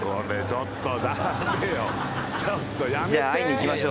ちょっとやめて！